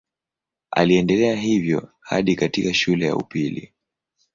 Aliendelea hivyo hadi katika shule ya upili.